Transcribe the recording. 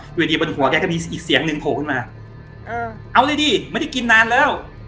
อยู่ดีบนหัวแกก็มีอีกเสียงหนึ่งโผล่ขึ้นมาเออเอาเลยดิไม่ได้กินนานแล้ว